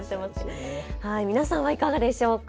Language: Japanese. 皆さんはいかがでしょうか。